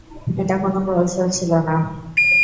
এটা কোন কৌশল ছিল না।